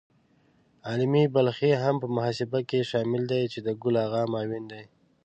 عالمي بلخي هم په محاسبه کې شامل دی چې د ګل آغا معاون دی.